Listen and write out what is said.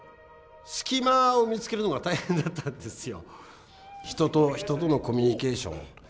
隙間を見つけるのが大変だったんですよ。